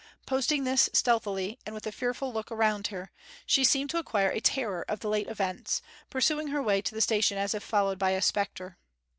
Posting this stealthily, and with a fearful look around her, she seemed to acquire a terror of the late events, pursuing her way to the station as if followed by a spectre.